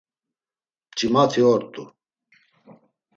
Mç̌imati ort̆u.